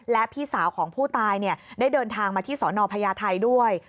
และพี่สาวของผู้ตายได้เดินทางมาที่สนพญาไทยด้วย